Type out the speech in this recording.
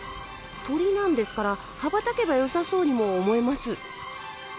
鳥なんですから羽ばたけばよさそうにも思えます。